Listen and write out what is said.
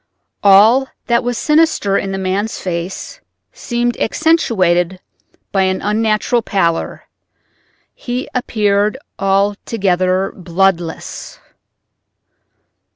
All that was sinister in the man's face seemed accentuated by an unnatural pallor—he appeared altogether bloodless.